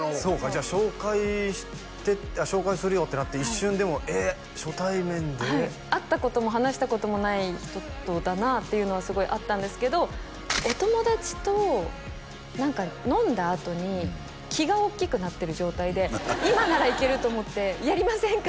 じゃあ紹介して紹介するよってなって一瞬でもえっ初対面で会ったことも話したこともない人とだなっていうのはすごいあったんですけどお友達と何か飲んだあとに気がおっきくなってる状態で今ならいけると思ってやりませんか？